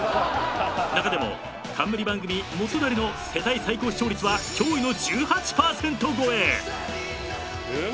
［中でも冠番組『元就。』の世帯最高視聴率は驚異の１８％超え！］